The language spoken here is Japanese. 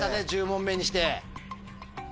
１０問目にして。